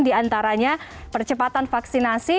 diantaranya percepatan vaksinasi